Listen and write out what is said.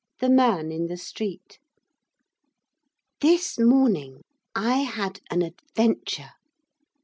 THE MAN IN THE STREET This morning I had an adventure.